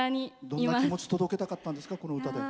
どんな気持ちを届けたかったんですか？